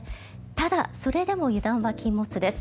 ただ、それでも油断は禁物です。